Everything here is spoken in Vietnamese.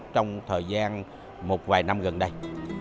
trong thời gian một vài năm gần đây